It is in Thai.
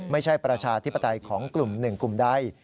ประชาธิปไตยของกลุ่มหนึ่งกลุ่มใด